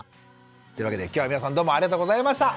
というわけで今日は皆さんどうもありがとうございました。